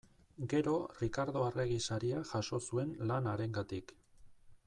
Gero Rikardo Arregi Saria jaso zuen lan harengatik.